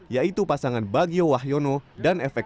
yaitu pasangan bagio wahyono dan efek